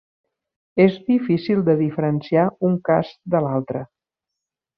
És difícil de diferenciar un cas de l'altre.